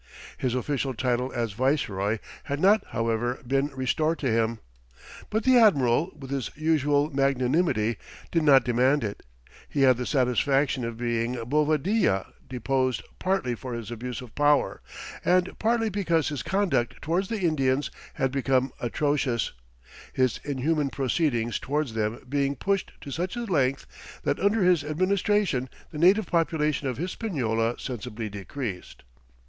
His official title as viceroy had not, however, been restored to him, but the admiral, with his usual magnanimity, did not demand it. He had the satisfaction of seeing Bovadilla deposed, partly for his abuse of power, and partly because his conduct towards the Indians had become atrocious; his inhuman proceedings towards them being pushed to such a length, that under his administration the native population of Hispaniola, sensibly decreased.